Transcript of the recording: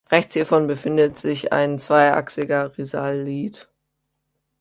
Rechts hiervon befindet sich ein zweiachsiger Risalit.